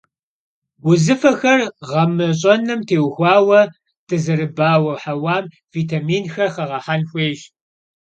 Узыфэхэр гъэмэщӀэным теухуауэ дызэрыбауэ хьэуам витаминхэр хэгъэхьэн хуейщ.